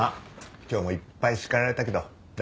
今日もいっぱい叱られたけど大丈夫？